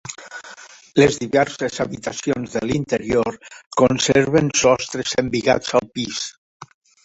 Les diverses habitacions de l'interior conserven sostres embigats al pis.